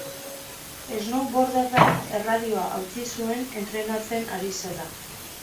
Snowboarderrak erradioa hautsi zuen entrenatzen ari zela.